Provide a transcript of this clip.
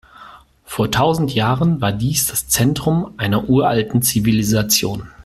Vor tausend Jahren war dies das Zentrum einer uralten Zivilisation.